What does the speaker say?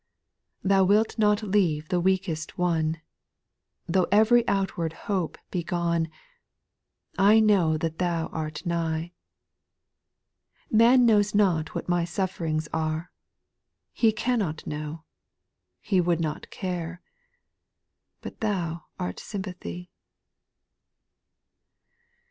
2/ Thou wilt not leave the weakest one : Though every outward hope be gone, I know that Thou art nigh ; Man knows not what my sufferings are ; He cannot know ; he would not care ; But Thou art sympathy.